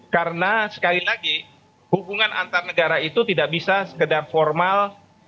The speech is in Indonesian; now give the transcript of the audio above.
karena sekali lagi hubungan antar negara itu tidak bisa sekedar formal